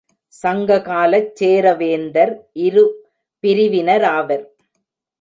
சங்க காலச் சேரவேந்தர் இருபிரிவினராவர்.